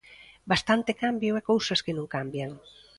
Bastante cambio e cousas que non cambian.